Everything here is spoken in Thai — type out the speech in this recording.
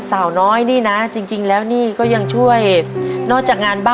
ซาวอาทิตย์ค่ะ